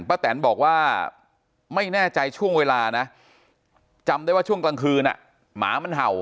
แตนบอกว่าไม่แน่ใจช่วงเวลานะจำได้ว่าช่วงกลางคืนหมามันเห่า